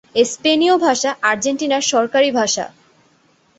স্পেনীয় ভাষা আর্জেন্টিনার সরকারি ভাষা।